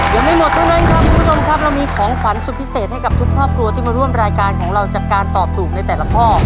ยังไม่หมดเท่านั้นครับคุณผู้ชมครับเรามีของขวัญสุดพิเศษให้กับทุกครอบครัวที่มาร่วมรายการของเราจากการตอบถูกในแต่ละข้อ